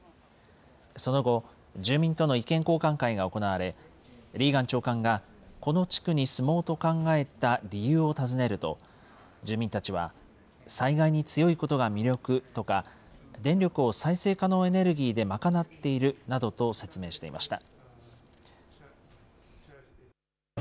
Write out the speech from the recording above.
その後、住民との意見交換会が行われ、リーガン長官が、この地区に住もうと考えた理由を尋ねると、住民たちは、災害に強いことが魅力とか、電力を再生可能エネルギーで賄っているなどと説明していました。